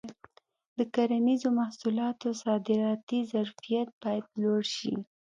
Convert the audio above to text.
د کرنیزو محصولاتو صادراتي ظرفیت باید لوړ شي.